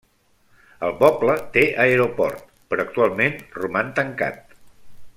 El poble té aeroport, però actualment roman tancat.